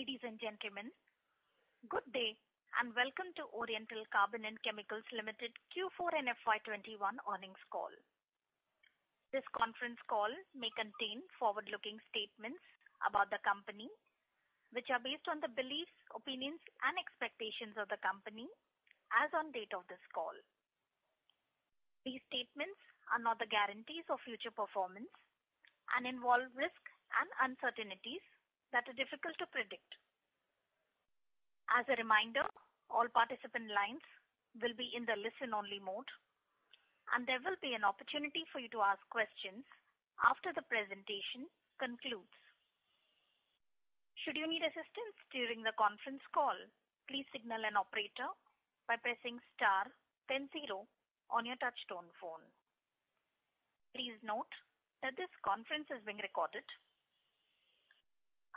Ladies and gentlemen, good day, welcome to Oriental Carbon & Chemicals Limited Q4 and FY 2021 earnings call. This conference call may contain forward-looking statements about the company, which are based on the beliefs, opinions, and expectations of the company as on date of this call. These statements are not the guarantees of future performance and involve risks and uncertainties that are difficult to predict. As a reminder, all participant lines will be in the listen-only mode, and there will be an opportunity for you to ask questions after the presentation concludes. Should you need assistance during the conference call, please signal an operator by pressing star then zero on your touchtone phone. Please note that this conference is being recorded.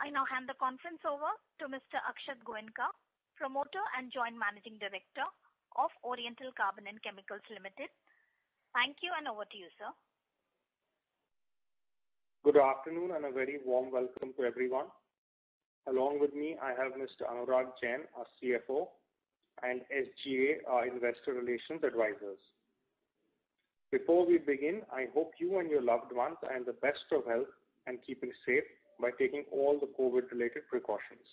I now hand the conference over to Mr. Akshat Goenka, Promoter and Joint Managing Director of Oriental Carbon & Chemicals Limited. Thank you, and over to you, sir. Good afternoon and a very warm welcome to everyone. Along with me, I have Mr. Anurag Jain, our CFO, and SGA, our investor relations advisors. Before we begin, I hope you and your loved ones are in the best of health and keeping safe by taking all the COVID-19-related precautions.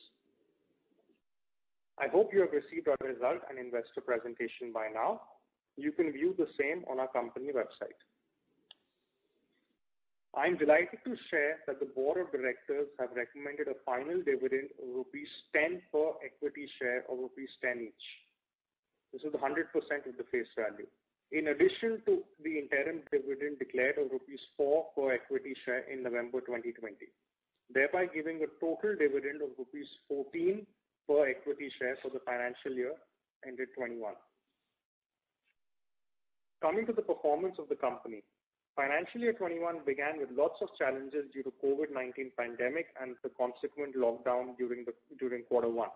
I hope you have received our result and investor presentation by now. You can view the same on our company website. I'm delighted to share that the board of directors have recommended a final dividend of rupees 10 per equity share of rupees 10 each. This is 100% of the face value. In addition to the interim dividend declared of rupees 4 per equity share in November 2020, thereby giving a total dividend of rupees 14 per equity share for the financial year ended 2021. Coming to the performance of the company. Financial year 2021 began with lots of challenges due to COVID-19 pandemic and the consequent lockdown during Q1.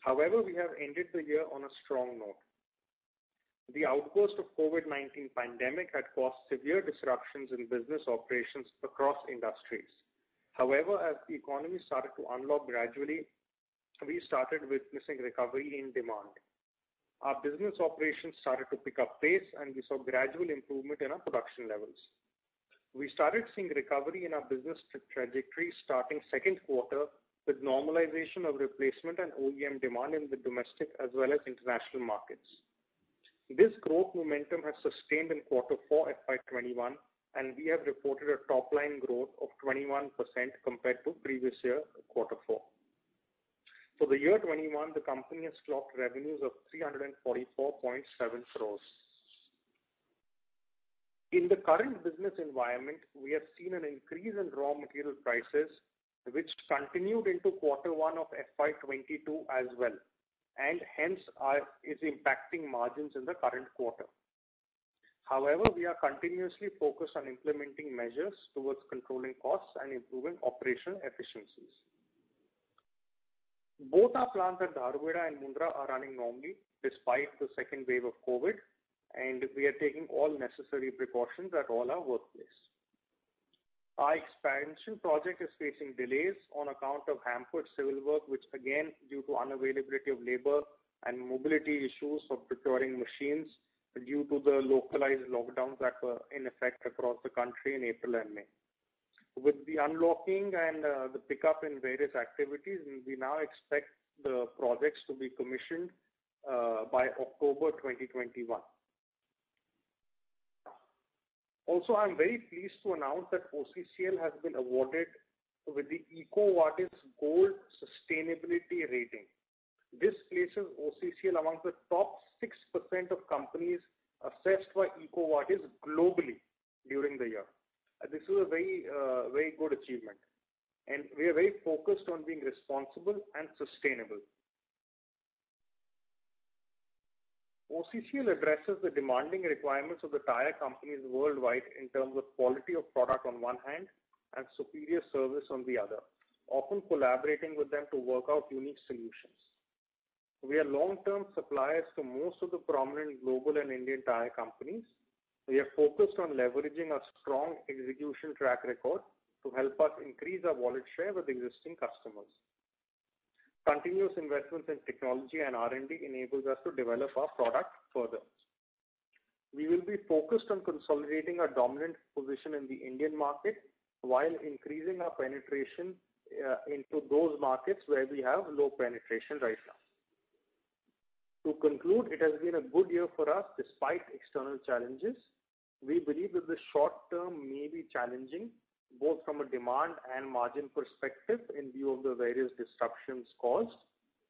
However, we have ended the year on a strong note. The outburst of COVID-19 pandemic had caused severe disruptions in business operations across industries. However, as the economy started to unlock gradually, we started witnessing recovery in demand. Our business operations started to pick up pace, and we saw gradual improvement in our production levels. We started seeing recovery in our business trajectory starting second quarter with normalization of replacement and OEM demand in the domestic as well as international markets. This growth momentum has sustained in Q4 FY 2021, and we have reported a top-line growth of 21% compared to previous year Q4. For the year 2021, the company has clocked revenues of 344.7 crore. In the current business environment, we have seen an increase in raw material prices, which continued into Q1 of FY 2022 as well, and hence is impacting margins in the current quarter. However, we are continuously focused on implementing measures towards controlling costs and improving operational efficiencies. Both our plants at Dharuhera and Mundra are running normally despite the second wave of COVID-19, and we are taking all necessary precautions at all our workplace. Our expansion project is facing delays on account of hampered civil work, which again, due to unavailability of labor and mobility issues of procuring machines due to the localized lockdowns that were in effect across the country in April and May. With the unlocking and the pickup in various activities, we now expect the projects to be commissioned by October 2021. I'm very pleased to announce that OCCL has been awarded with the EcoVadis Gold sustainability rating. This places OCCL among the top 6% of companies assessed by EcoVadis globally during the year. This is a very good achievement, and we are very focused on being responsible and sustainable. OCCL addresses the demanding requirements of the tire companies worldwide in terms of quality of product on one hand and superior service on the other, often collaborating with them to work out unique solutions. We are long-term suppliers to most of the prominent global and Indian tire companies. We are focused on leveraging our strong execution track record to help us increase our wallet share with existing customers. Continuous investments in technology and R&D enables us to develop our product further. We will be focused on consolidating our dominant position in the Indian market while increasing our penetration into those markets where we have low penetration right now. To conclude, it has been a good year for us despite external challenges. We believe that the short term may be challenging, both from a demand and margin perspective in view of the various disruptions caused.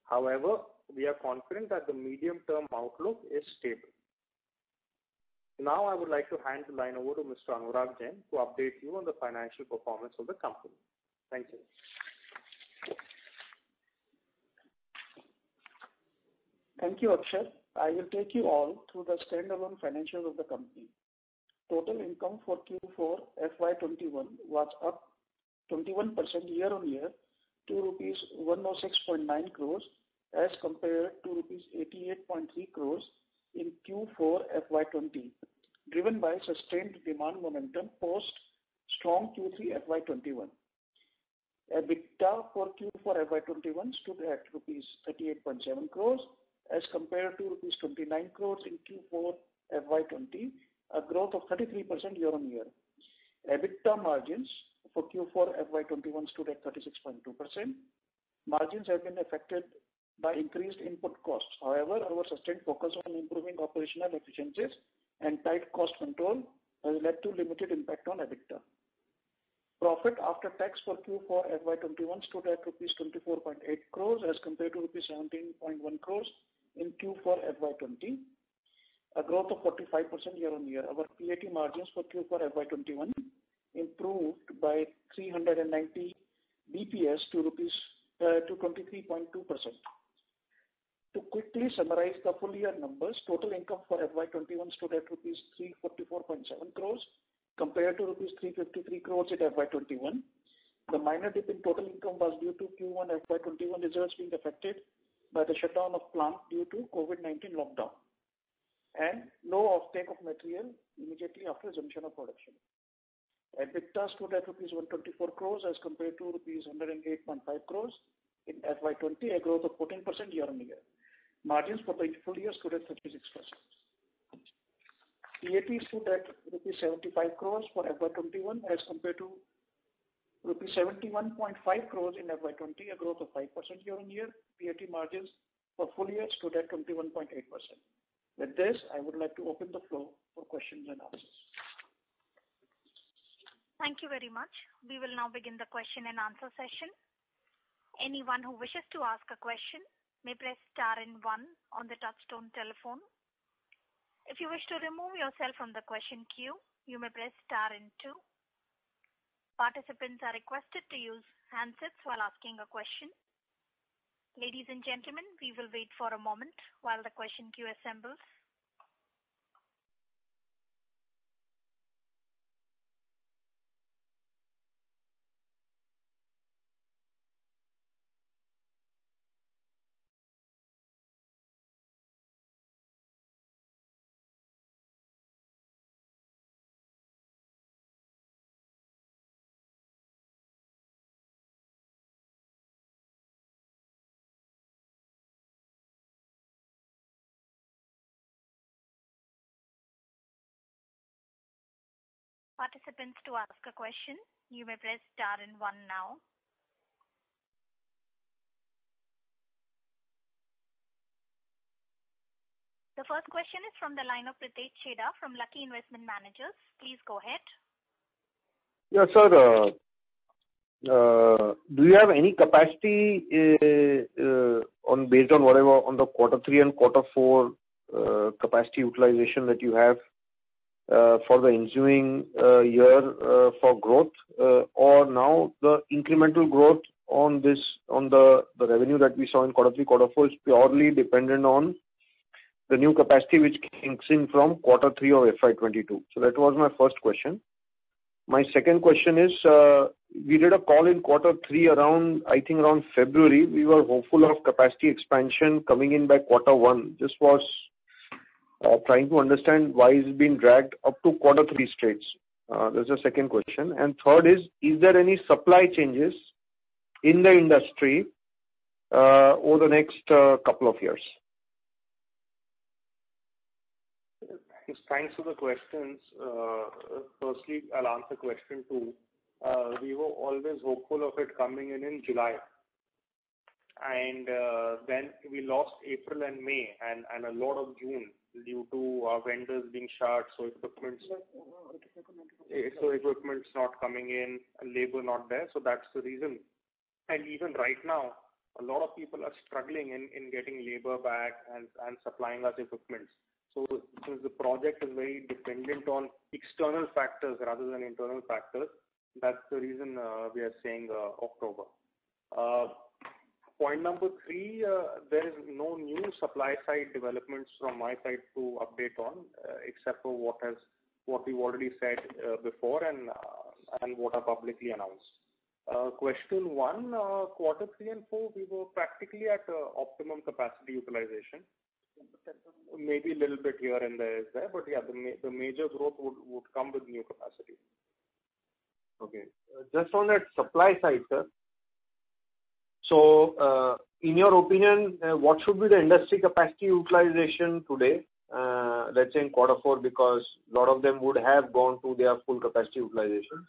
However, we are confident that the medium-term outlook is stable. Now I would like to hand the line over to Mr. Anurag Jain to update you on the financial performance of the company. Thank you. Thank you, Akshat. I will take you all through the standalone financials of the company. Total income for Q4 FY 2021 was up 21% year-over-year to rupees 106.9 crores as compared to rupees 88.3 crores in Q4 FY 2020. Driven by sustained demand momentum post strong Q3 FY 2021. EBITDA for Q4 FY 2021 stood at rupees 38.7 crores as compared to rupees 29 crores in Q4 FY 2020, a growth of 33% year-on-year. EBITDA margins for Q4 FY 2021 stood at 36.2%. Margins have been affected by increased input costs. However, our sustained focus on improving operational efficiencies and tight cost control has led to limited impact on EBITDA. Profit after tax for Q4 FY 2021 stood at rupees 24.8 crores as compared to rupees 17.1 crores in Q4 FY 2020, a growth of 45% year-on-year. Our PAT margins for Q4 FY 2021 improved by 390 basis points to 23.2%. To quickly summarize the full-year numbers, total income for FY 2021 stood at rupees 344.7 crores compared to rupees 353 crores at FY 2020. The minor dip in total income was due to Q1 FY 2021 results being affected by the shutdown of plant due to COVID-19 lockdown and low off-take of material immediately after resumption of production. EBITDA stood at rupees 124 crores as compared to rupees 108.5 crores in FY 2020, a growth of 14% year-on-year. Margins for the full year stood at 36%. PAT stood at rupees 75 crores for FY 2021 as compared to rupees 71.5 crores in FY 2020, a growth of 5% year-on-year. PAT margins for full year stood at 21.8%. With this, I would like to open the floor for questions and answers. Thank you very much. We will now begin the question and answer session. Participants are requested to use handsets while asking a question. Ladies and gentlemen, we will wait for a moment while the question queue assembles. The first question is from the line of Ritesh Chheda from Lucky Investment Managers. Please go ahead. Yeah, sir. Do you have any capacity based on the Q3 and Q4 capacity utilization that you have for the ensuing year for growth? Now the incremental growth on the revenue that we saw in Q3, Q4 is purely dependent on the new capacity which kicks in from Q3 of FY 2022. That was my first question. My second question is, we did a call in Q3 around, I think around February. We were hopeful of capacity expansion coming in by Q1. Just was trying to understand why it's been dragged up to Q3 stage. That's the second question. Third is there any supply changes in the industry over the next couple of years? Thanks for the questions. Firstly, I'll answer question 2. We were always hopeful of it coming in in July. Then we lost April and May and a lot of June due to our vendors being shut, equipment's not coming in and labor not there, that's the reason. Even right now, a lot of people are struggling in getting labor back and supplying us equipments. Since the project is very dependent on external factors rather than internal factors, that's the reason we are saying October. Point number 3, there is no new supply side developments from my side to update on except for what we've already said before and what are publicly announced. Question 1, Q3 and Q4, we were practically at optimum capacity utilization. Maybe a little bit here and there is there, yeah, the major growth would come with new capacity. Okay. Just on that supply side, sir. In your opinion, what should be the industry capacity utilization today? Let's say in Q4, because a lot of them would have gone to their full capacity utilization.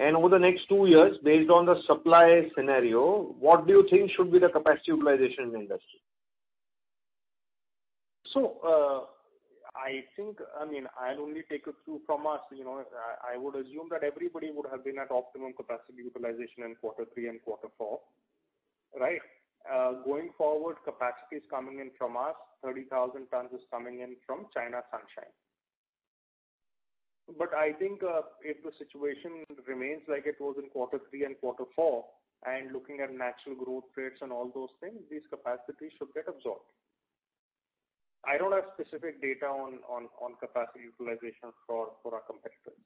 And over the next two years, based on the supply scenario, what do you think should be the capacity utilization in the industry? I think, I'll only take it through from us, I would assume that everybody would have been at optimum capacity utilization in Q3 and Q4, right? Going forward, capacity is coming in from us, 30,000 tons is coming in from China Sunsine. I think if the situation remains like it was in Q3 and Q4, and looking at natural growth rates and all those things, these capacities should get absorbed. I don't have specific data on capacity utilization for our competitors.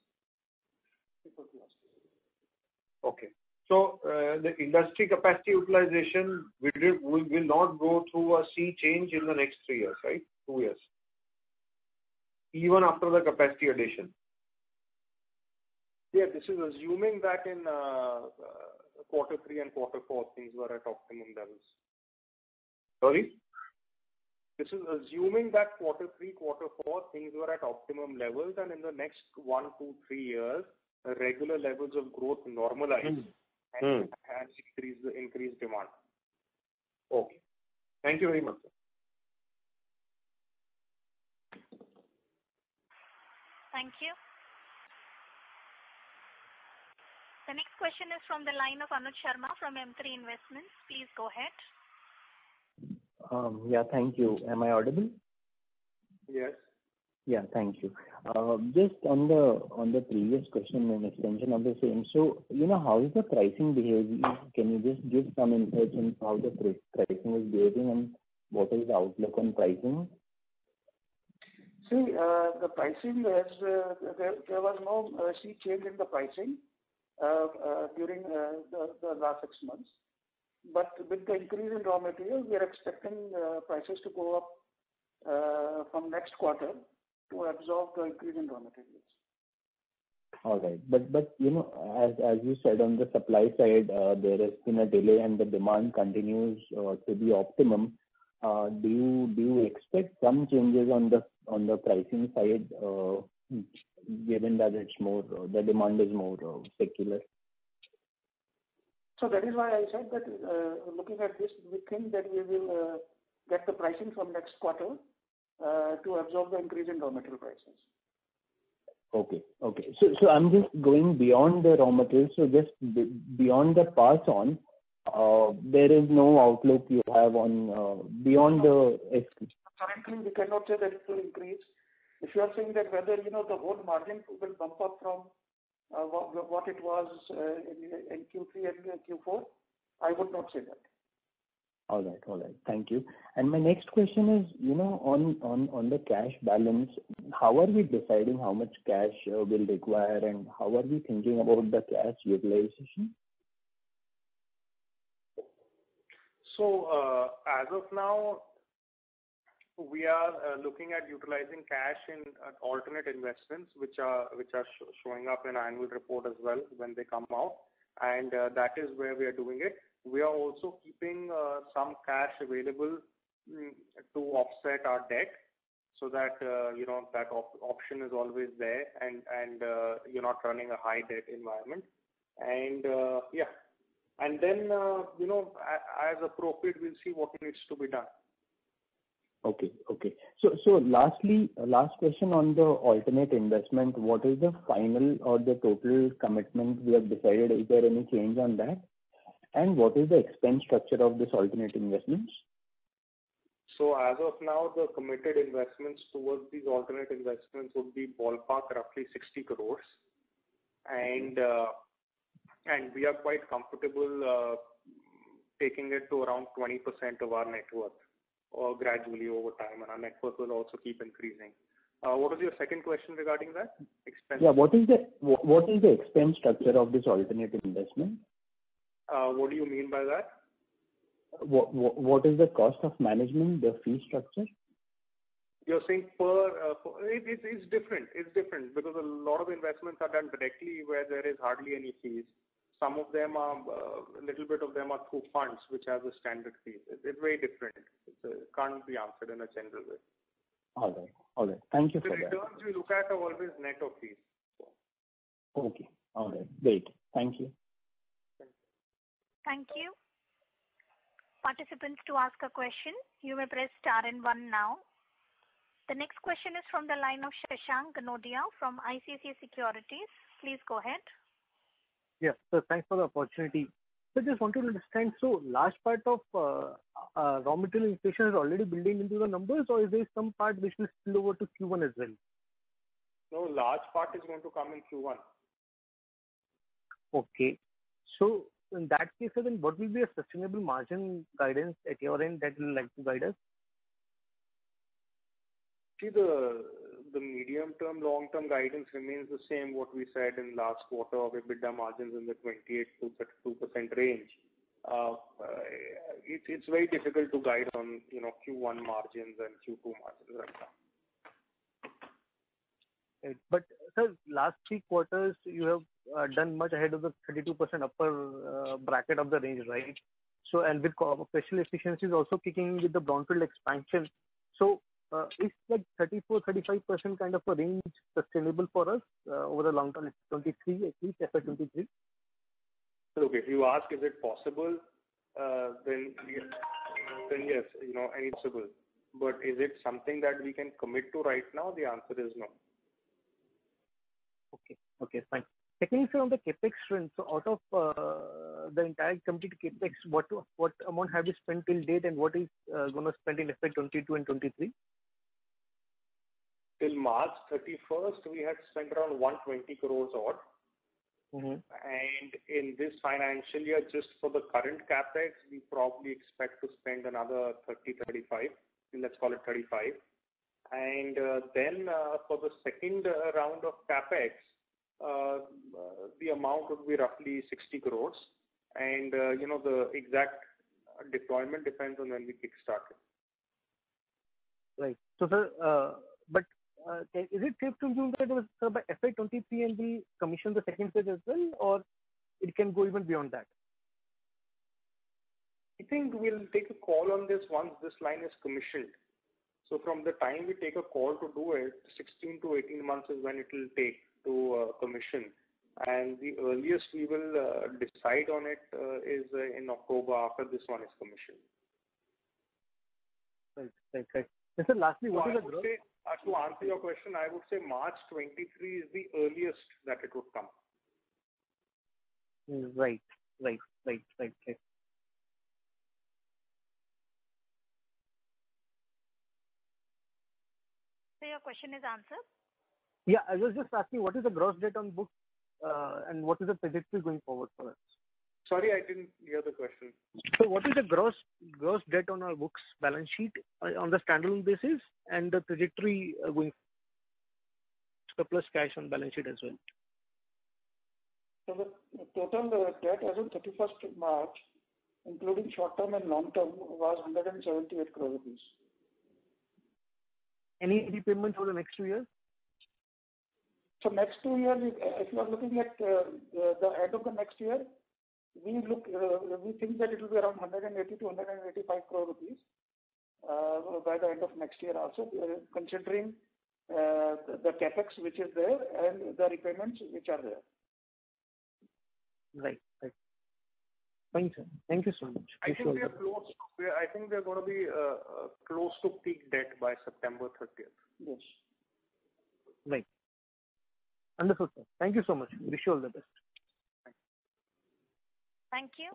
Okay. The industry capacity utilization will not go through a sea change in the next three years. Right? Two years. Even after the capacity addition. Yeah. This is assuming that in Q3 and Q4, things were at optimum levels. Sorry? This is assuming that Q3, Q4, things were at optimum levels and in the next one to three years, the regular levels of growth normalize. Mm. Mm increase demand. Okay. Thank you very much. Thank you. The next question is from the line of Anuj Sharma from M3 Investments. Please go ahead. Yeah. Thank you. Am I audible? Yes. Yeah. Thank you. Just on the previous question, an extension of the same. How is the pricing behaving? Can you just give some insight on how the pricing is behaving and what is the outlook on pricing? There was no sea change in the pricing during the last six months. With the increase in raw materials, we are expecting prices to go up from next quarter to absorb the increase in raw materials. All right. As you said, on the supply side, there has been a delay and the demand continues to be optimum. Do you expect some changes on the pricing side given that the demand is more secular? That is why I said that looking at this, we think that we will let the pricing from next quarter to absorb the increase in raw material prices. Okay. I'm just going beyond the raw materials. Just beyond the pass on, there is no outlook you have? Frankly, we cannot say that it will increase. If you are saying that whether the old margin will come up from what it was in Q3 and Q4, I would not say that. All right. Thank you. My next question is on the cash balance, how are we deciding how much cash we'll require, and how are we thinking about the cash utilization? As of now, we are looking at utilizing cash in alternate investments, which are showing up in annual report as well when they come out, and that is where we are doing it. We are also keeping some cash available to offset our debt so that option is always there and you are not running a high debt environment. As appropriate, we will see what needs to be done. Okay. Last question on the alternate investment. What is the final or the total commitment we have decided? Is there any change on that? What is the expense structure of this alternate investments? As of now, the committed investments towards these alternate investments would be ballpark roughly 60 crores. Okay. We are quite comfortable taking it to around 20% of our net worth gradually over time, and our net worth will also keep increasing. What was your second question regarding that? Expense? Yeah. What is the expense structure of this alternate investment? What do you mean by that? What is the cost of managing the fee structure? You're saying It's different because a lot of investments are done directly where there is hardly any fees. A little bit of them are through funds which have a standard fee. It's very different. It can't be answered in a general way. All right. Thank you for that. The returns we look at are always net of fees. Okay. All right. Great. Thank you. Thank you. The next question is from the line of Shashank Kanodia from ICICI Securities. Please go ahead. Yes. Sir, Thanks for the opportunity. Sir, just wanted to understand. Large part of raw material inflation is already building into the numbers or is there some part which will spill over to Q1 as well? No, large part is going to come in Q1. Okay. In that case, then what will be a sustainable margin guidance at your end that you'll like to guide us? See, the medium-term, long-term guidance remains the same what we said in last quarter of EBITDA margins in the 28%-32% range. It's very difficult to guide on Q1 margins and Q2 margins right now. Sir, last three quarters you have done much ahead of the 32% upper bracket of the range, right? The operational efficiency is also kicking in with the brownfield expansion. Is that 34%, 35% kind of a range sustainable for us over long term, at least FY 2023? If you ask is it possible, then yes, it's possible. Is it something that we can commit to right now? The answer is no. Okay, fine. Technically, on the CapEx front, so out of the entire complete CapEx, what amount have you spent till date and what is going to spend in FY 2022 and 2023? Till March 31st, we had spent around 120 crores odd. In this financial year, just for the current CapEx, we probably expect to spend another 30, 35. Let's call it 35. For the second round of CapEx, the amount would be roughly 60 crores. The exact deployment depends on when we kickstart it. Right. Sir, is it safe to assume that it was by FY 2023 and we commission the second set as well? It can go even beyond that? I think we'll take a call on this once this line is commissioned. From the time we take a call to do it, 16-18 months is when it'll take to commission. The earliest we will decide on it is in October after this one is commissioned. Right. Sir, lastly, what is the gross- I would say, to answer your question, I would say March 2023 is the earliest that it would come. Right. Sir, your question is answered? Yeah. I was just asking what is the gross debt on books, and what is the trajectory going forward for us? Sorry, I didn't hear the question. Sir, what is the gross debt on our books balance sheet on the standalone basis, and the trajectory going surplus cash on balance sheet as well? Sir, the total debt as on 31st March, including short-term and long-term, was INR 178 crores. Any repayments over the next two years? Next two years, if you are looking at the end of the next year, we think that it will be around 180 crore-185 crore rupees by the end of next year also, considering the CapEx which is there and the requirements which are there. Right. Thank you, sir. Thank you so much. I think we are going to be close to peak debt by September 30th. Yes. Understood, sir. Thank you so much. Wish you all the best. Thank you,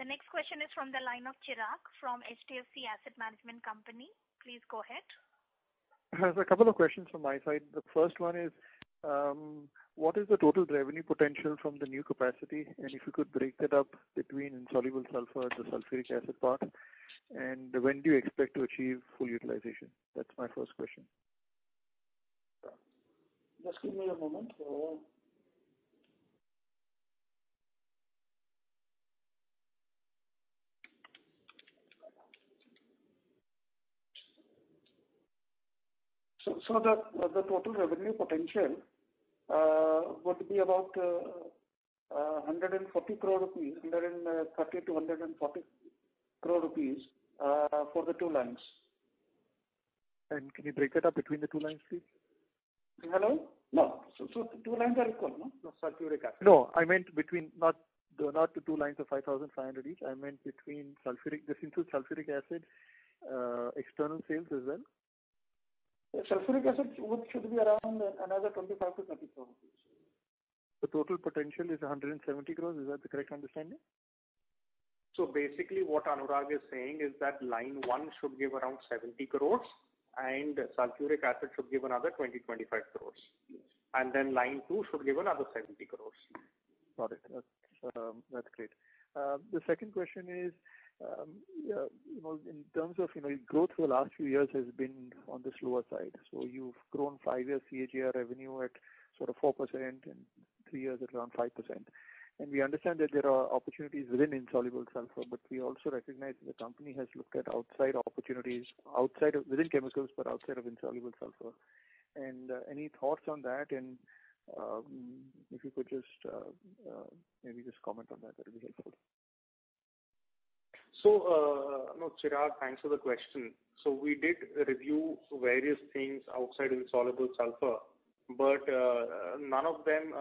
the next question is from the line of Chirag Setalvad from HDFC Asset Management Company. Please go ahead. Sir, a couple of questions from my side. The first one is, what is the total revenue potential from the new capacity? If you could break that up between insoluble sulphur, the sulphuric acid part. When do you expect to achieve full utilization? That's my first question. Just give me a moment. The total revenue potential would be about 140 crore rupees, 130 crore-140 crore rupees, for the two lines. Can you break that up between the two lines, please? Hello? No. Two lines are equal, no? sulphuric acid. No, I meant between, not the two lines of 5,500 tons each. I meant sulphuric acid, this includes sulphuric acid, external sales as well. sulphuric acid should be around another 25 crores-30 crores. The total potential is 170 crores. Is that the correct understanding? Basically what Anurag is saying is that line one should give around 70 crores, and sulphuric acid should give another 20 crores-25 crores. Yes. Line 2 should give another 70 crores. Got it. That's great. The second question is, in terms of growth over the last few years has been on the slower side. You've grown five-year CAGR revenue at 4% and three years at around 5%. We understand that there are opportunities within insoluble sulphur, but we also recognize the company has looked at outside opportunities within chemicals but outside of insoluble sulphur. Any thoughts on that and if you could just maybe just comment on that'll be helpful. Chirag, thanks for the question. We did review various things outside insoluble sulphur, but none of them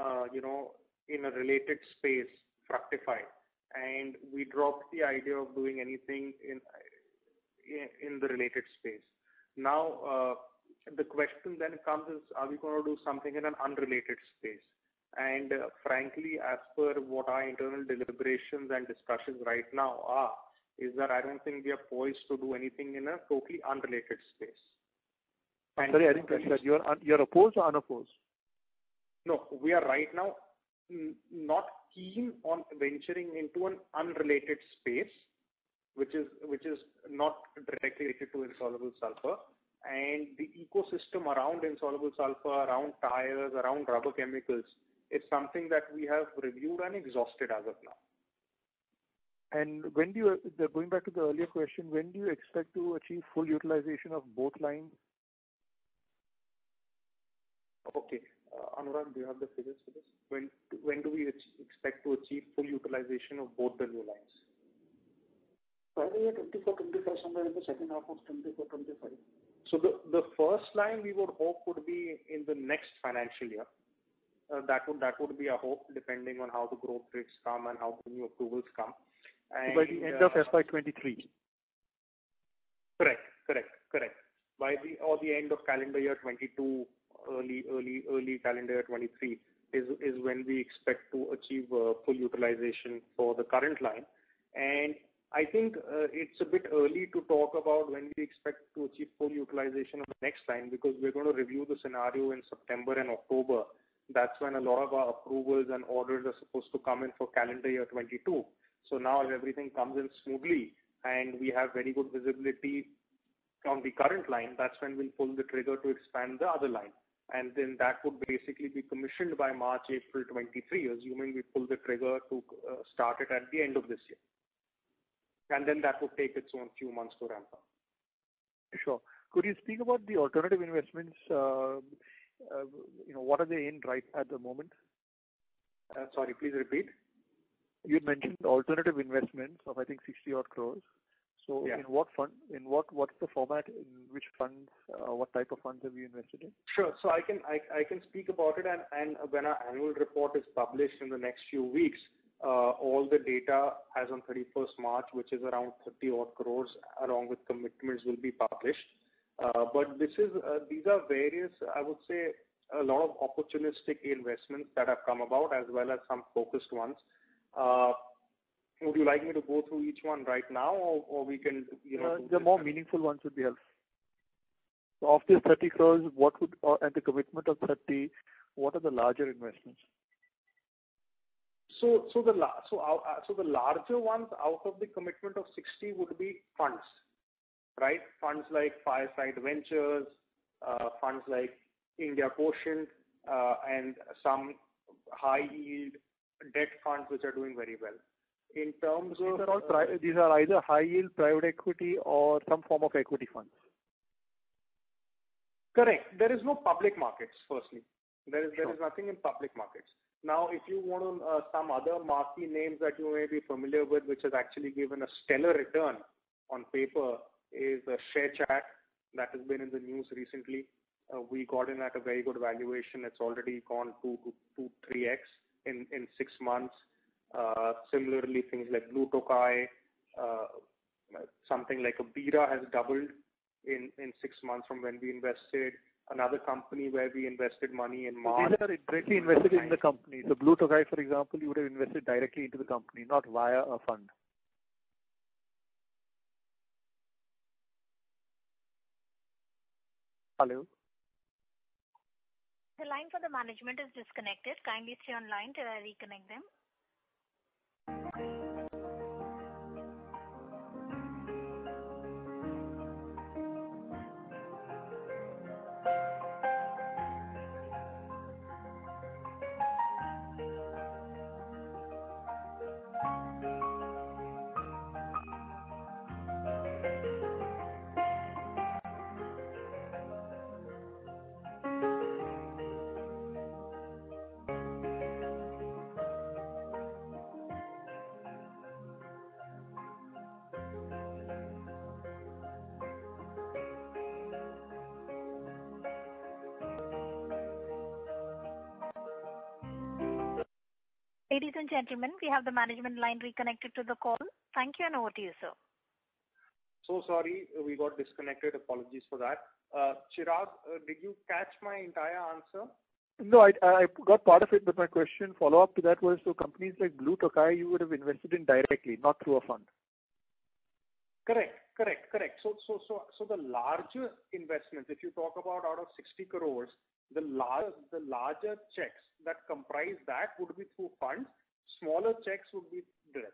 in a related space fructified, and we dropped the idea of doing anything in the related space. The question then comes is, are we going to do something in an unrelated space? Frankly, as per what our internal deliberations and discussions right now are, is that I don't think we are poised to do anything in a totally unrelated space. Sorry, I didn't catch that. You are opposed or unopposed? No. We are right now not keen on venturing into an unrelated space, which is not directly related to insoluble sulphur. The ecosystem around insoluble sulphur, around tires, around rubber chemicals, is something that we have reviewed and exhausted as of now. Going back to the earlier question, when do you expect to achieve full utilization of both lines? Okay. Anurag, do you have the figures for this? When do we expect to achieve full utilization of both the new lines? Probably 2024, 2025, somewhere in the second half of 2024, 2025. The first line we would hope would be in the next financial year. That would be our hope, depending on how the growth rates come and how the new approvals come. By the end of FY 2023. Correct. By the end of calendar year 2022, early calendar year 2023 is when we expect to achieve full utilization for the current line. I think it's a bit early to talk about when we expect to achieve full utilization of the next line, because we're going to review the scenario in September and October. That's when a lot of our approvals and orders are supposed to come in for calendar year 2022. Now if everything comes in smoothly and we have very good visibility from the current line, that's when we'll pull the trigger to expand the other line. That would basically be commissioned by March, April 2023, assuming we pull the trigger to start it at the end of this year. That would take its own few months to ramp up. Sure. Could you speak about the alternative investments? What are they in right at the moment? Sorry, please repeat. You had mentioned alternative investments of, I think, 60 odd crores. Yeah. In what fund? What's the format? In which funds, what type of funds have you invested in? I can speak about it and when our annual report is published in the next few weeks, all the data as on 31st March, which is around 30 odd crore, along with commitments, will be published. These are various, I would say, a lot of opportunistic investments that have come about as well as some focused ones. Would you like me to go through each one right now? The more meaningful ones would be helpful. Of the 30 crores and the commitment of 30, what are the larger investments? The larger ones out of the commitment of 60 would be funds. Funds like Fireside Ventures, funds like India Quotient, and some high-yield debt funds which are doing very well. These are either high-yield private equity or some form of equity funds. Correct. There is no public markets, firstly. Sure. There is nothing in public markets. Now, if you want to, some other marquee names that you may be familiar with, which has actually given a stellar return on paper is ShareChat. That has been in the news recently. We got in at a very good valuation. It's already gone to 3x in six months. Similarly, things like Blue Tokai, something like Bira has doubled in six months from when we invested. Another company where we invested money in March- These are directly invested in the company. Blue Tokai, for example, you would have invested directly into the company, not via a fund. Hello? The line for management has disconnected. Kindly stay on the line while we reconnect them. Ladies and gentlemen, we have the management line reconnected to the call. Thank you, and over to you, sir. Sorry, we got disconnected. Apologies for that. Chirag, did you catch my entire answer? No, I got part of it. My question follow-up to that was so companies like Blue Tokai, you would have invested in directly, not through a fund? Correct. The larger investments, if you talk about out of 60 crores, the larger checks that comprise that would be through funds. Smaller checks would be direct.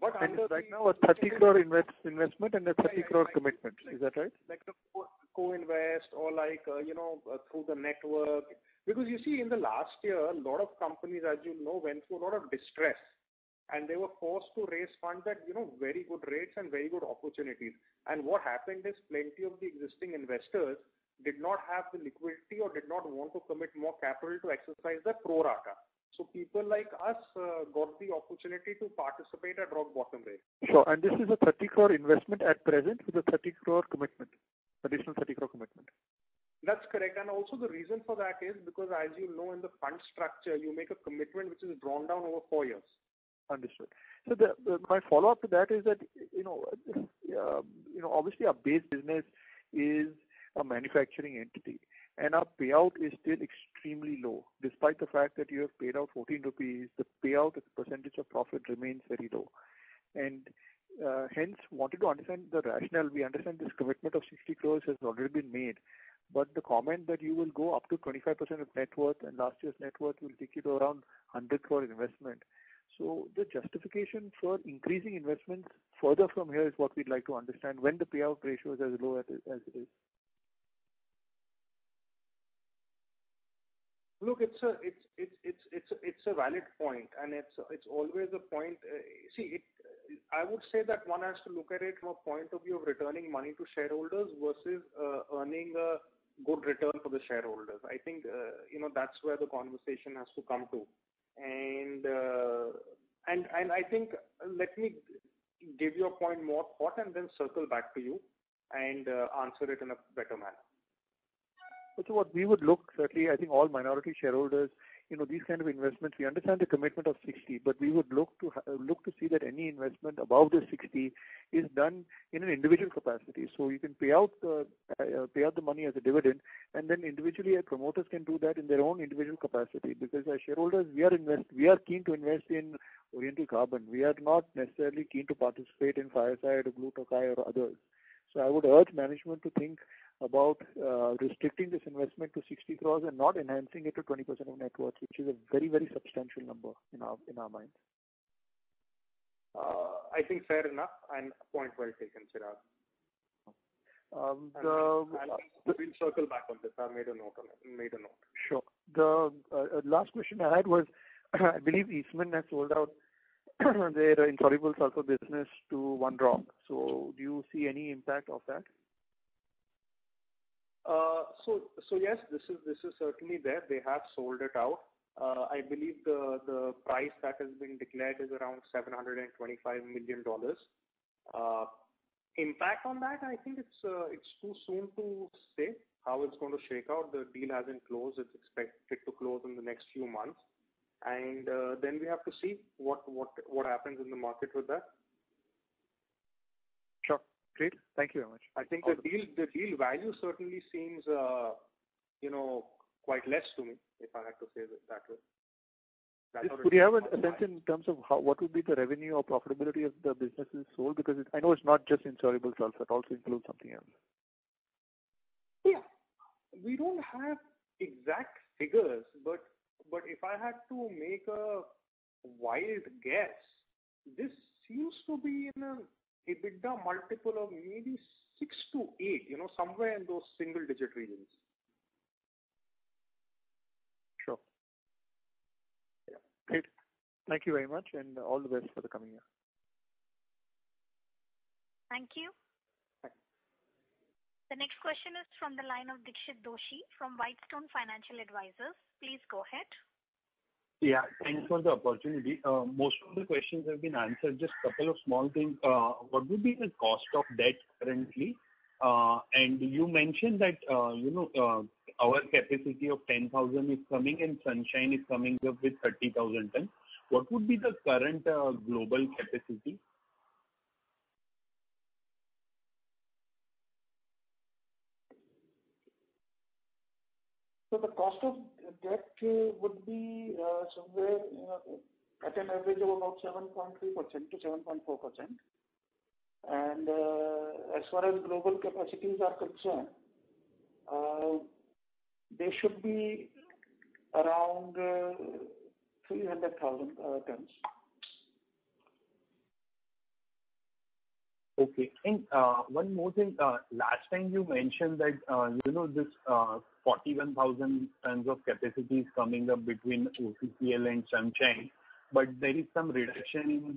Right now a 30 crore investment and a 30 crore commitment. Is that right? Like the co-invest or through the network. You see, in the last year, a lot of companies, as you know, went through a lot of distress, and they were forced to raise funds at very good rates and very good opportunities. What happened is plenty of the existing investors did not have the liquidity or did not want to commit more capital to exercise that pro rata. People like us got the opportunity to participate at rock bottom rates. Sure. This is a 30 crore investment at present with a 30 crore commitment, additional 30 crore commitment. That's correct. Also the reason for that is because, as you know, in the fund structure, you make a commitment which is drawn down over four years. Understood. My follow-up to that is that, obviously our base business is a manufacturing entity, and our payout is still extremely low. Despite the fact that you have paid out 14 rupees, the payout as a percentage of profit remains very low. Hence, wanted to understand the rationale. We understand this commitment of 60 crore has already been made, but the comment that you will go up to 25% of net worth and last year's net worth will take you to around 100 crore investment. The justification for increasing investments further from here is what we'd like to understand when the payout ratio is as low as it is. Look, it's a valid point, it's always a point. I would say that one has to look at it from a point of view of returning money to shareholders versus earning a good return for the shareholders. I think that's where the conversation has to come to. I think, let me give your point more thought and then circle back to you and answer it in a better manner. What we would look, certainly, I think all minority shareholders, these kind of investments, we understand the commitment of 60, but we would look to see that any investment above the 60 is done in an individual capacity. You can pay out the money as a dividend, and then individually as promoters can do that in their own individual capacity. Because as shareholders, we are keen to invest in Oriental Carbon. We are not necessarily keen to participate in Fireside or Blue Tokai or others. I would urge management to think about restricting this investment to 60 crores and not enhancing it to 20% of net worth, which is a very substantial number in our minds. I think fair enough, and point well taken, Chirag. The- We'll circle back on this. I made a note of it. Sure. The last question I had was, I believe Eastman has sold out their insoluble sulphur business to One Rock. Do you see any impact of that? Yes, this is certainly there. They have sold it out. I believe the price that has been declared is around $725 million. Impact on that, I think it's too soon to say how it's going to shake out. The deal hasn't closed. It's expected to close in the next few months. Then we have to see what happens in the market with that. Sure. Great. Thank you very much. I think the deal value certainly seems quite less to me, if I had to say it that way. Do you have a sense in terms of what would be the revenue or profitability of the business if sold? Because I know it's not just insoluble sulphur, it also includes something else. Yeah. We don't have exact figures. If I had to make a wild guess, this seems to be in an EBITDA multiple of maybe 6x-8x, somewhere in those single-digit regions. Sure. Yeah. Great. Thank you very much, and all the best for the coming year. Thank you. Thank you. The next question is from the line of Dixit Doshi from Whitestone Financial Advisors. Please go ahead. Yeah. Thanks for the opportunity. Most of the questions have been answered, just a couple of small things. What would be the cost of debt currently? You mentioned that our capacity of 10,000 is coming and Sunsine is coming up with 30,000 tons. What would be the current global capacity? The cost of debt would be somewhere at an average of about 7.3%-7.4%. As far as global capacities are concerned, they should be around 300,000 tons. Okay. One more thing. Last time you mentioned that this 41,000 tons of capacity is coming up between OCCL and Sunsine, but there is some reduction.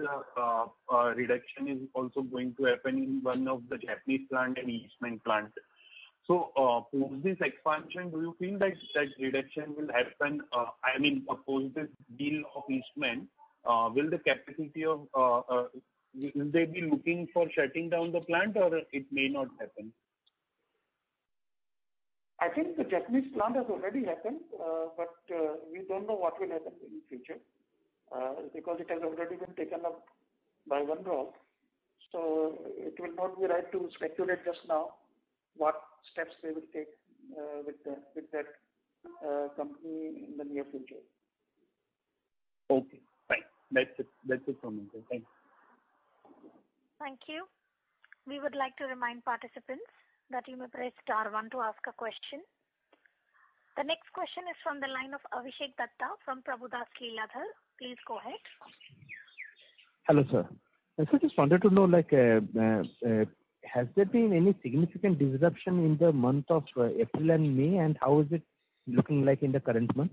Reduction is also going to happen in one of the Japanese plant and Eastman plant. Post this expansion, do you think that such reduction will happen? Post this deal of Eastman, will they be looking for shutting down the plant, or it may not happen? I think the Japanese plant has already happened, but we don't know what will happen in future, because it has already been taken up by One Rock. It will not be right to speculate just now what steps they will take with that company in the near future. Okay, fine. That's it from me, sir. Thank you. Thank you. We would like to remind participants that you may press star 1 to ask a question. The next question is from the line of Avishek Datta from Prabhudas Lilladher. Please go ahead. Hello, sir. I just wanted to know, has there been any significant disruption in the month of April and May, and how is it looking like in the current month?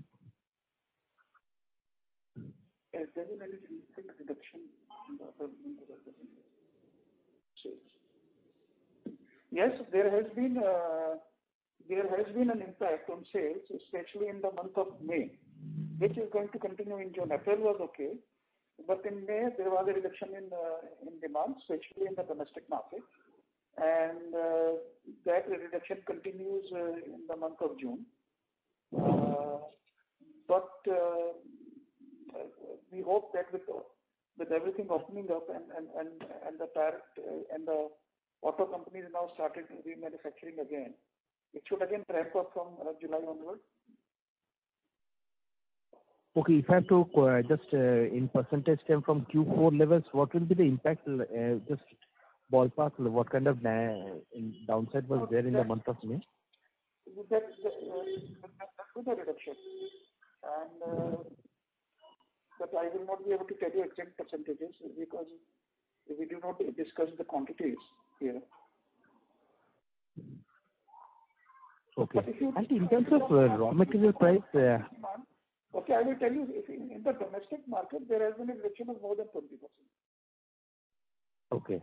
Has there been any significant disruption in the month of April and May? Sales. Yes, there has been an impact on sales, especially in the month of May, which is going to continue in June. April was okay. In May, there was a reduction in demand, especially in the domestic market. That reduction continues in the month of June. We hope that with everything opening up and the auto companies now starting to be manufacturing again, it should again ramp up from July onwards. Okay. If I had to, just in percentage term from Q4 levels, what will be the impact? Just ballpark, what kind of downside was there in the month of May? There was a reduction. I will not be able to tell you exact percentages because we do not discuss the quantities here. Okay. In terms of raw material price I will tell you in the domestic market, there has been a reduction of more than 20%. Okay.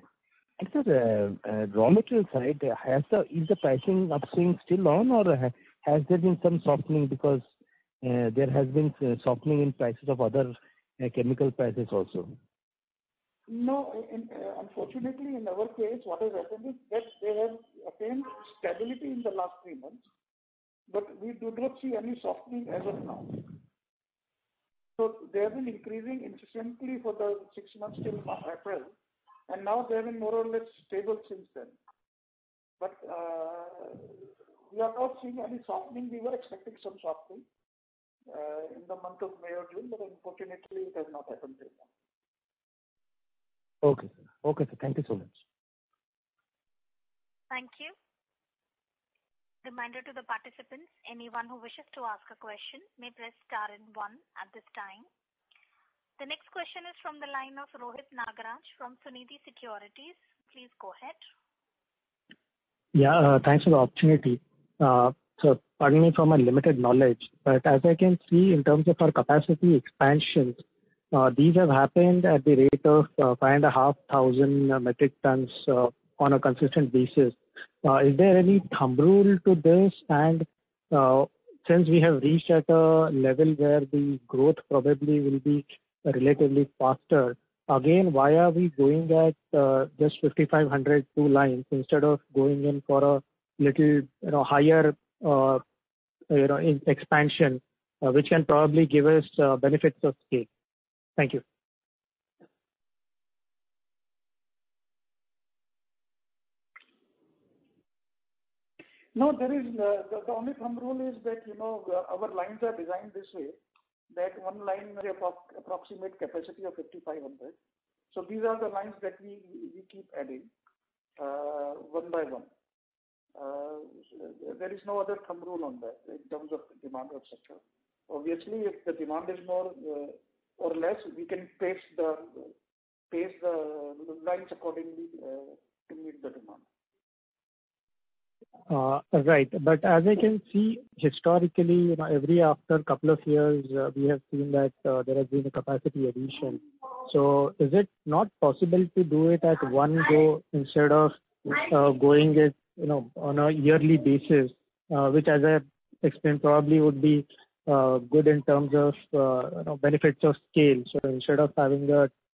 Sir, raw material side, is the pricing upstream still on, or has there been some softening because there has been softening in prices of other chemical prices also? Unfortunately in our case, what has happened is that they have attained stability in the last three months, but we do not see any softening as of now. They have been increasing consistently for the six months till April, and now they have been more or less stable since then. We are not seeing any softening. We were expecting some softening in the month of May or June, but unfortunately it has not happened till now. Okay, sir. Thank you so much. Reminder to the participants, anyone who wishes to ask a question may press star and one at this time. The next question is from the line of Rohit Nagraj from Sunidhi Securities. Please go ahead. Yeah, thanks for the opportunity. Sir, pardon me for my limited knowledge, but as I can see in terms of our capacity expansions, these have happened at the rate of 5,500 metric tons on a consistent basis. Is there any thumb rule to this? Since we have reached at a level where the growth probably will be relatively faster, again, why are we going at just 5,500 tons, two lines instead of going in for a little higher in expansion, which can probably give us benefits of scale. Thank you. No. The only thumb rule is that our lines are designed this way, that one line may approximate capacity of 5,500 tons. These are the lines that we keep adding one by one. There is no other thumb rule on that in terms of demand, et cetera. Obviously, if the demand is more or less, we can pace the lines accordingly to meet the demand. Right. As I can see historically, every after couple of years, we have seen that there has been a capacity addition. Is it not possible to do it at one go instead of going it on a yearly basis, which as I explained, probably would be good in terms of benefits of scale. Instead of having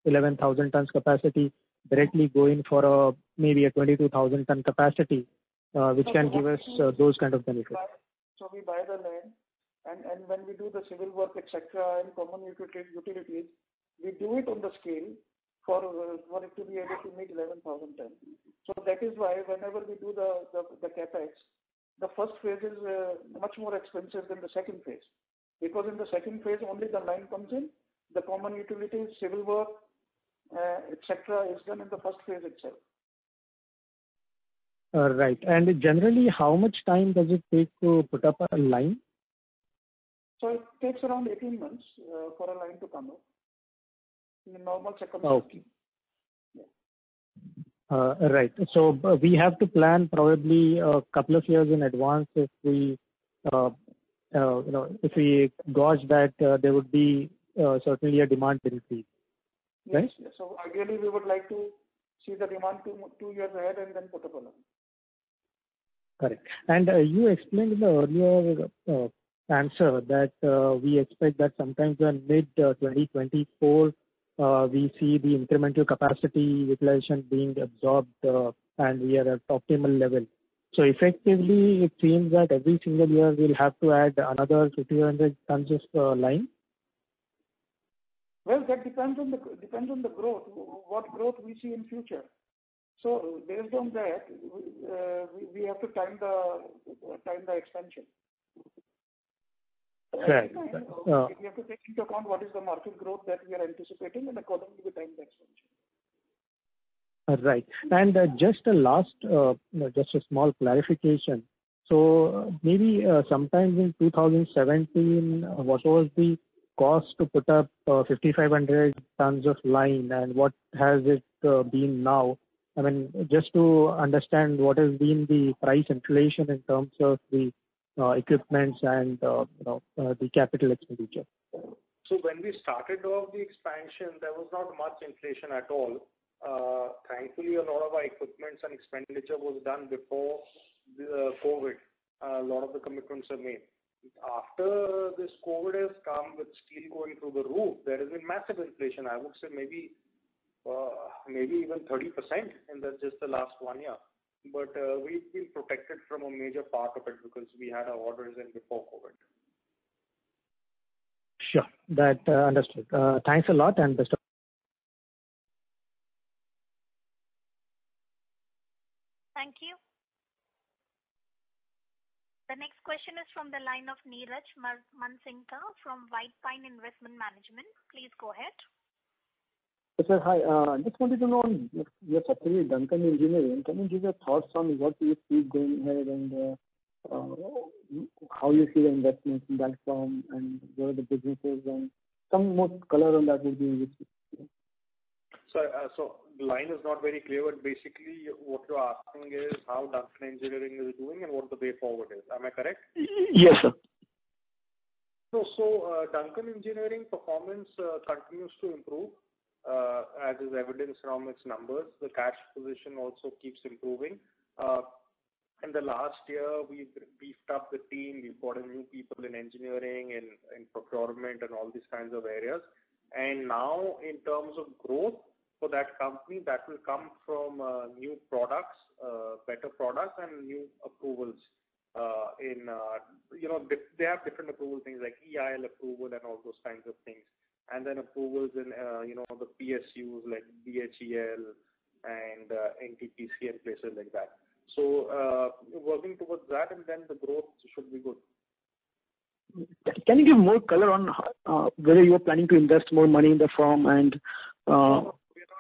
11,000 tons capacity directly going for maybe a 22,000 ton capacity which can give us those kind of benefits. We buy the land and when we do the civil work, et cetera, and common utilities, we do it on the scale for it to be able to meet 11,000 tons. That is why whenever we do the CapEx, the first phase is much more expensive than the second phase because in the second phase only the line comes in, the common utilities, civil work, et cetera, is done in the first phase itself. Right. Generally, how much time does it take to put up a line? It takes around 18 months for a line to come up in a normal circumstances. Okay. Right. We have to plan probably a couple of years in advance if we gauge that there would be certainly a demand will increase. Right? Yes. Ideally we would like to see the demand two years ahead and then put up a line. Correct. You explained in the earlier answer that we expect that sometimes in mid 2024 we see the incremental capacity utilization being absorbed and we are at optimal level. Effectively it seems that every single year we'll have to add another 2,500 tons of line. Well, that depends on the growth, what growth we see in future. Based on that, we have to time the expansion. Correct. We have to take into account what is the market growth that we are anticipating and accordingly we time the expansion. Right. Just a last small clarification. Maybe sometime in 2017, what was the cost to put up 5,500 tons of line and what has it been now? Just to understand what has been the price inflation in terms of the equipment and the capital expenditure. When we started off the expansion, there was not much inflation at all. Thankfully a lot of our equipments and expenditure was done before the COVID. A lot of the commitments are made. After this COVID has come with steel going through the roof, there has been massive inflation, I would say maybe even 30% in just the last one year. We've been protected from a major part of it because we had our orders in before COVID. Sure. Understood. Thanks a lot. Thank you. The next question is from the line of Niraj Mansingka from White Pine Investment Management. Please go ahead. Sir, hi. Just wanted to know, you are talking of Duncan Engineering. Can you give your thoughts on what you see going ahead and how you see the investments in that firm and where the business is going? Some more color on that would be useful. Sir, the line is not very clear, but basically what you're asking is how Duncan Engineering is doing and what the way forward is. Am I correct? Yes, sir. Duncan Engineering performance continues to improve as is evidenced from its numbers. The cash position also keeps improving. In the last year we've beefed up the team, we've brought in new people in engineering and in procurement and all these kinds of areas. In terms of growth for that company, that will come from new products, better products and new approvals. They have different approval things like EIL approval and all those kinds of things. Approvals in the PSUs like BHEL and NTPC and places like that. Working towards that and then the growth should be good. Can you give more color on whether you're planning to invest more money in the firm? No,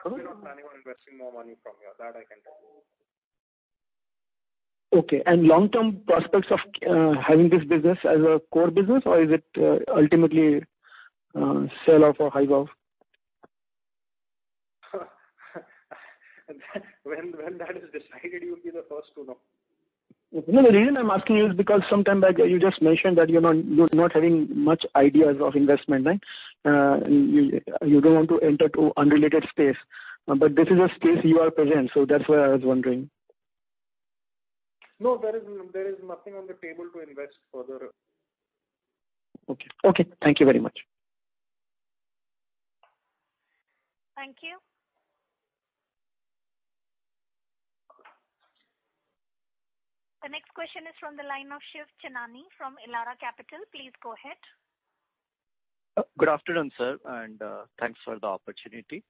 we're not planning on investing more money from here. That I can tell you. Okay. Long-term prospects of having this business as a core business or is it ultimately a sell-off or hive-off? When that is decided, you'll be the first to know. No, the reason I'm asking you is because some time back, you just mentioned that you're not having much ideas of investment. Right? You don't want to enter to unrelated space. This is a space you are present, so that's why I was wondering. No, there is nothing on the table to invest further. Okay. Thank you very much. Thank you. The next question is from the line of Shiv Chanani from Elara Capital. Please go ahead. Good afternoon, sir, and thanks for the opportunity.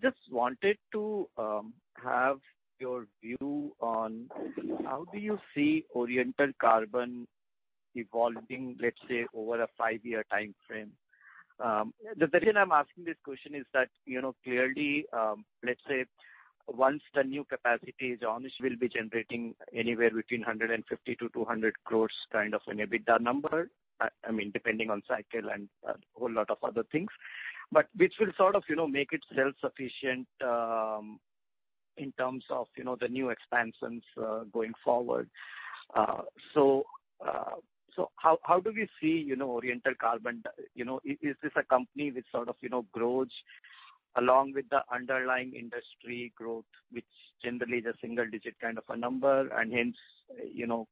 Just wanted to have your view on how do you see Oriental Carbon evolving, let's say, over a five-year timeframe? The reason I'm asking this question is that clearly, let's say, once the new capacity is on, it will be generating anywhere between 150 crores-200 crores kind of an EBITDA number, depending on cycle and a whole lot of other things. Which will sort of make it self-sufficient, in terms of the new expansions going forward. How do we see Oriental Carbon? Is this a company which sort of grows along with the underlying industry growth, which generally is a single digit kind of a number. Hence,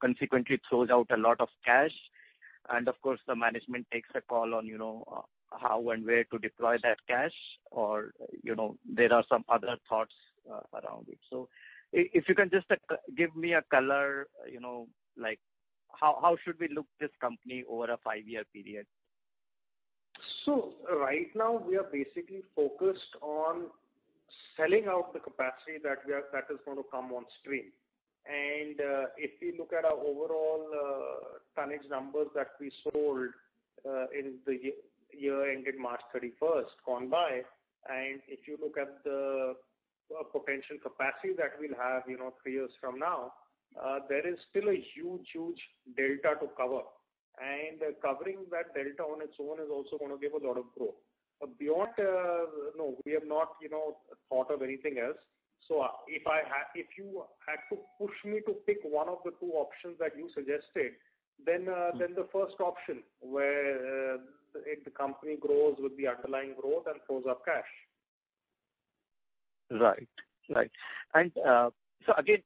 consequently throws out a lot of cash. Of course, the management takes a call on how and where to deploy that cash. There are some other thoughts around it. If you can just give me a color, like how should we look this company over a 5-year period? Right now we are basically focused on selling out the capacity that is going to come on stream. If we look at our overall tonnage numbers that we sold in the year ending March 31st gone by, and if you look at the potential capacity that we'll have three years from now, there is still a huge delta to cover. Covering that delta on its own is also going to give a lot of growth. Beyond, no, we have not thought of anything else. If you had to push me to pick one of the two options that you suggested, then the first option, where if the company grows with the underlying growth and throws up cash. Right. Again,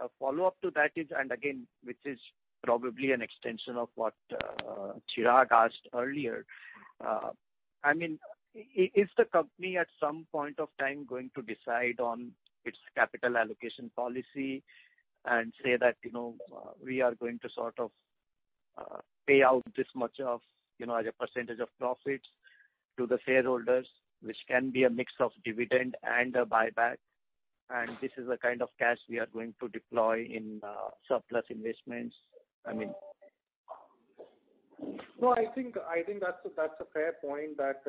a follow-up to that is, and again, which is probably an extension of what Chirag asked earlier. Is the company at some point of time going to decide on its capital allocation policy and say that, "We are going to sort of pay out this much as a percentage of profits to the shareholders, which can be a mix of dividend and a buyback, and this is the kind of cash we are going to deploy in surplus investments. No, I think that's a fair point that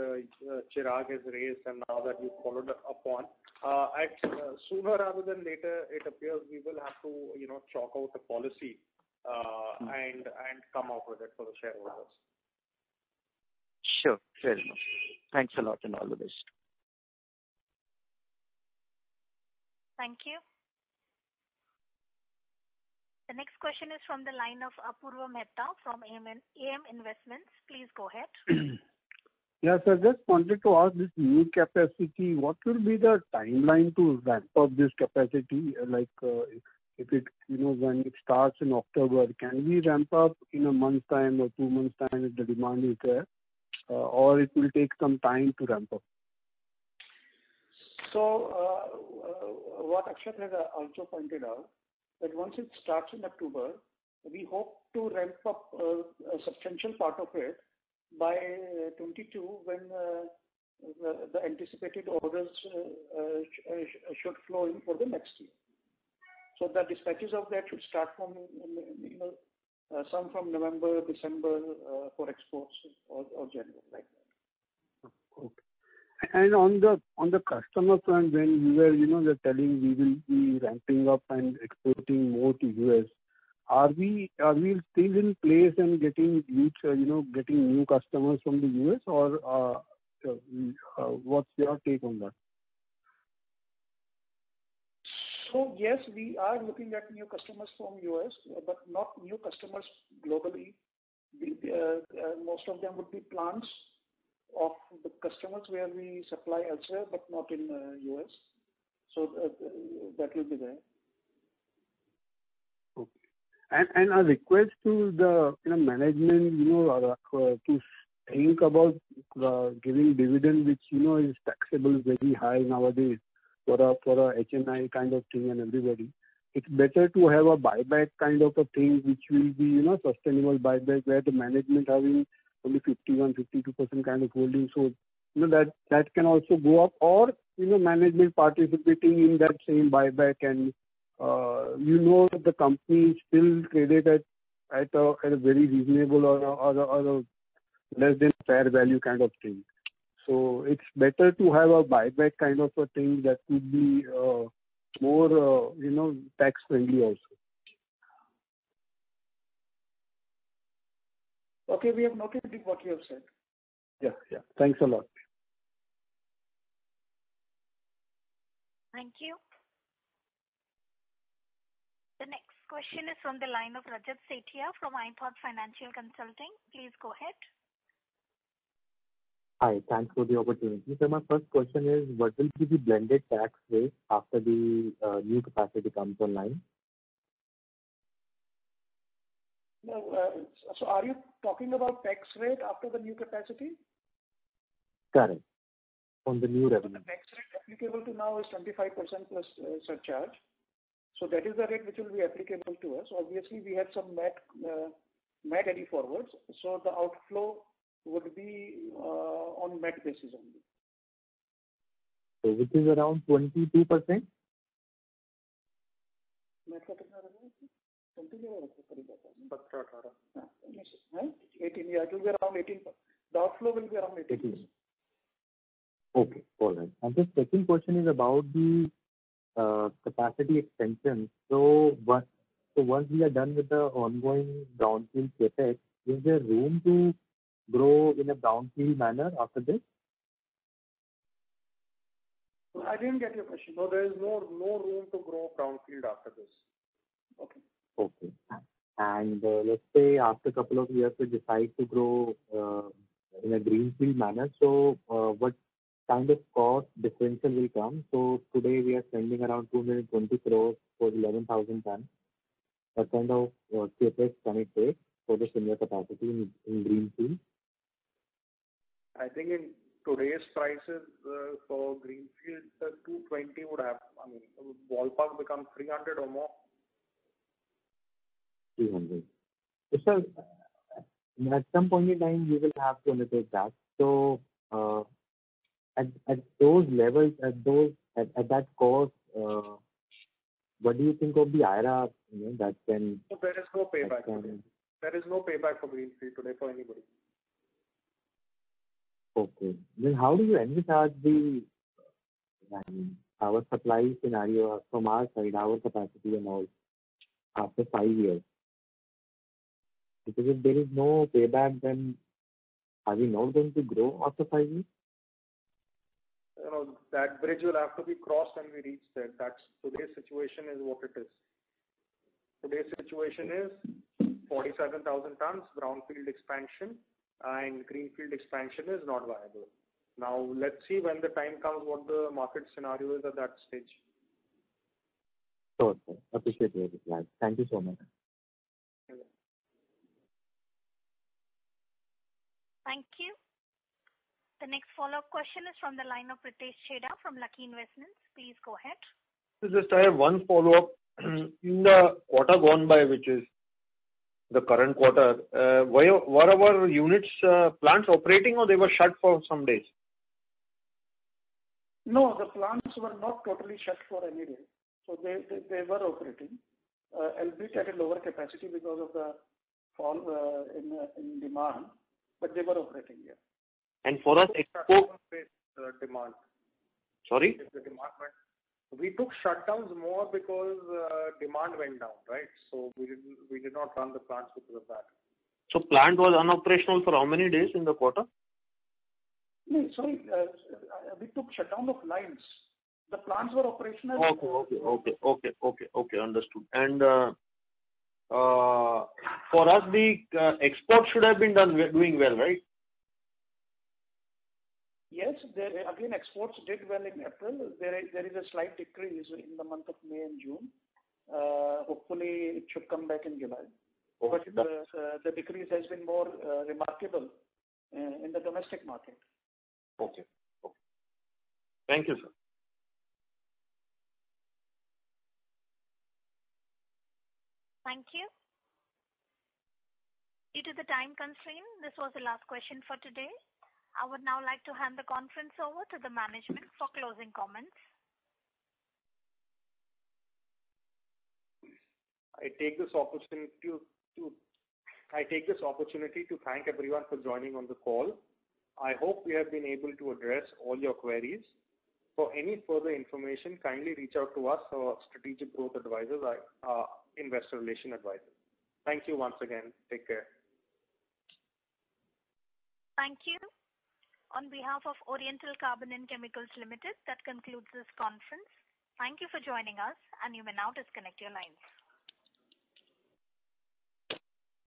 Chirag has raised and now that you followed up upon. Sooner rather than later, it appears we will have to chalk out a policy and come up with it for the shareholders. Sure. Fair enough. Thanks a lot and all the best. Thank you. The next question is from the line of Apurva Mehta from AM Investments. Please go ahead. Yeah. I just wanted to ask this new capacity, what will be the timeline to ramp up this capacity? Like when it starts in October, can we ramp up in one month's time or two months' time if the demand is there, or it will take some time to ramp up? What Akshat has also pointed out, that once it starts in October, we hope to ramp up a substantial part of it by 2022 when the anticipated orders should flow in for the next year. The dispatches of that should start, some from November, December for exports or January, like that. Okay. On the customer front, when you were telling we will be ramping up and exporting more to U.S., are we still in place and getting new customers from the U.S., or what's your take on that? Yes, we are looking at new customers from U.S., but not new customers globally. Most of them would be plants of the customers where we supply elsewhere but not in U.S. That will be there. Okay. A request to the management to think about giving dividend, which is taxable very high nowadays for a HNI kind of thing and everybody. It's better to have a buyback kind of a thing which will be sustainable buyback where the management having only 51, 52% kind of holding. That can also go up or management participating in that same buyback and you know the company is still traded at a very reasonable or a less than fair value kind of thing. It's better to have a buyback kind of a thing that could be more tax-friendly also. Okay. We have noted what you have said. Yeah. Thanks a lot. Thank you. The next question is from the line of Rajat Setiya from iThought Financial Consulting. Please go ahead. Hi. Thanks for the opportunity. My first question is, what will be the blended tax rate after the new capacity comes online? Are you talking about tax rate after the new capacity? Correct. On the new revenue. The tax rate applicable to now is 25% plus surcharge. That is the rate which will be applicable to us. Obviously, we have some MAT carry forwards, so the outflow would be on MAT basis only. Which is around 22%? MAT 20% or 18%. Yeah. It will be around 18%. The outflow will be around 18%. Okay. All right. The second question is about the capacity extension. Once we are done with the ongoing brownfield CapEx, is there room to grow in a brownfield manner after this? I didn't get your question. No, there is no room to grow brownfield after this. Okay. Let's say after two years, we decide to grow in a greenfield manner, what kind of cost differential will come? Today we are spending around 220 crore for 11,000 tons. What kind of CapEx can it take for the similar capacity in greenfield? I think in today's prices, for greenfield, 220 would, ballpark, become 300 or more. 300. At some point in time you will have to undertake that. At that cost, what do you think will be IRR that can- There is no payback for greenfield today for anybody. Okay. How do you uncertain scenario from our side, our capacity and all, after five years? If there is no payback, then are we not going to grow after five years? That bridge will have to be crossed when we reach there. Today's situation is what it is. Today's situation is 11,000 tons brownfield expansion and greenfield expansion is not viable. Now, let's see when the time comes, what the market scenario is at that stage. Sure. Appreciate your reply. Thank you so much. Welcome. Thank you. The next follow-up question is from the line of Ritesh Chheda from Lucky Investment Managers. Please go ahead. Just I have one follow-up. In the quarter gone by, which is the current quarter, were our units plants operating or they were shut for some days? No, the plants were not totally shut for any day. They were operating, albeit at a lower capacity because of the fall in demand, but they were operating, yeah. And for us, expo- Demand. Sorry? We took shutdowns more because demand went down, right? We did not run the plants because of that. Plant was unoperational for how many days in the quarter? No, sorry. We took shutdown of lines. The plants were operational. Okay. Understood. For us, the exports should have been doing well, right? Yes. Again, exports did well in April. There is a slight decrease in the month of May and June. Hopefully, it should come back in July. Okay. The decrease has been more remarkable in the domestic market. Okay. Thank you, sir. Thank you. Due to the time constraint, this was the last question for today. I would now like to hand the conference over to the management for closing comments. I take this opportunity to thank everyone for joining on the call. I hope we have been able to address all your queries. For any further information, kindly reach out to us or Strategic Growth Advisors, our investor relation advisors. Thank you once again. Take care. Thank you. On behalf of Oriental Carbon & Chemicals Limited, that concludes this conference. Thank you for joining us, and you may now disconnect your lines.